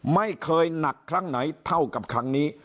ไม่เคยหนักครั้งไหนเท่ากับครั้งนี้